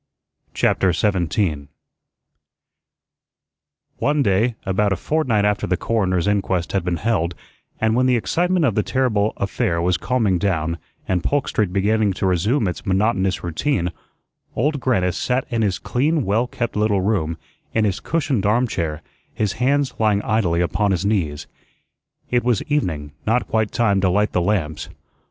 CHAPTER 17 One day, about a fortnight after the coroner's inquest had been held, and when the excitement of the terrible affair was calming down and Polk Street beginning to resume its monotonous routine, Old Grannis sat in his clean, well kept little room, in his cushioned armchair, his hands lying idly upon his knees. It was evening; not quite time to light the lamps.